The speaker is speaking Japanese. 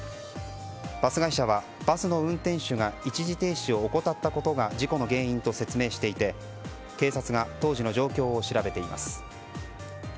バス会社はバスの運転手が一時停止を怠ったことが事故の原因と説明していて警察が当時の状況を調べています。